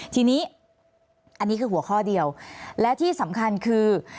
ทีนี้อันนี้คือหัวข้อเดียวและที่สำคัญคือ